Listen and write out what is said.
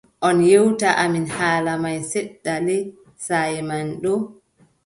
On ƴewta amin haala man seɗɗa lee saaye man ɗo ?